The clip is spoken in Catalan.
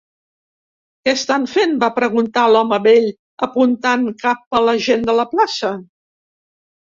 "Què estan fent?", va preguntar l'home vell, apuntant cap a la gent de la plaça.